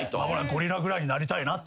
ゴリラぐらいになりたいなって。